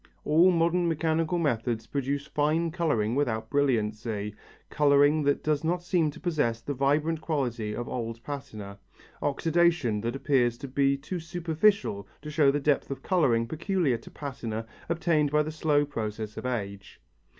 All modern mechanical methods produce fine colouring without brilliancy, colouring that does not seem to possess the vibrant quality of old patina, oxidation that appears to be too superficial to show the depth of colouring peculiar to patina obtained by the slow process of age.